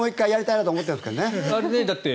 あれも１回やりたいなと思ってるんですけどね。